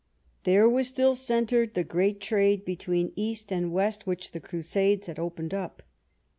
There was still centred the great trade between East and Westwhich the Crusades had opened up.